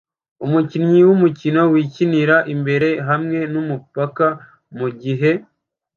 Umukinyi wumukino wikinira imbere hamwe nu paka mugihe